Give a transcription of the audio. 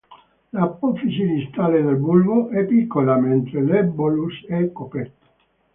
L'apofisi distale del bulbo è piccola, mentre l'embolus è coperto.